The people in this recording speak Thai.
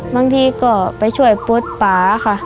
บางทีก็ไปช่วยปลดป่าค่ะ